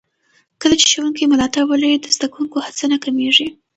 کله چې ښوونکي ملاتړ ولري، د زده کوونکو هڅه نه کمېږي.